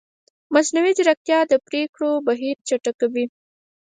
مصنوعي ځیرکتیا د پرېکړو بهیر چټکوي.